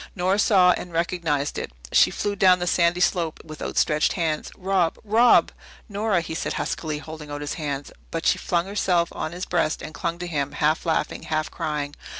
Nora saw and recognized it. She flew down the sandy slope with outstretched hands. "Rob Rob!" "Nora!" he said huskily, holding out his hand. But she flung herself on his breast and clung to him, half laughing, half crying.